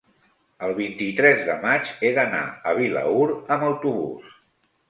el vint-i-tres de maig he d'anar a Vilaür amb autobús.